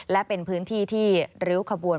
และเป็นพื้นที่ที่ริ้วขบวน